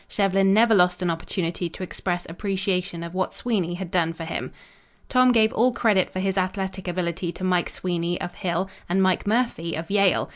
Shevlin never lost an opportunity to express appreciation of what Sweeney had done for him. Tom gave all credit for his athletic ability to Mike Sweeney of Hill and Mike Murphy of Yale.